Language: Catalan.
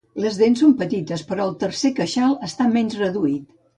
Les dents són petites, però el tercer queixal està menys reduït.